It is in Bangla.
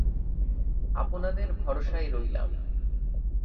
আপনাদের ভরসায় রইলাম!